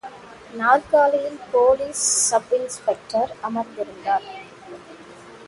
நாற்காலியில் police sub inspector அமர்ந்திருந்தார்.